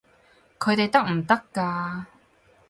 佢哋得唔得㗎？